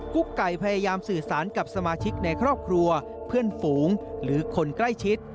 ุ๊กไก่พยายามสื่อสารกับสมาชิกในครอบครัวเพื่อนฝูงหรือคนใกล้ชิด